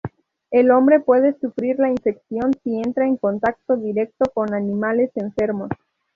El hombre puede sufrir la infección si entra en contacto directo con animales enfermos.